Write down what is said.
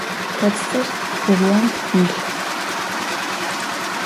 Kotsır dzıom yilh.